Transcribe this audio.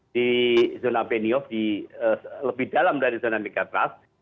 di zona penyoff lebih dalam dari zona megatrust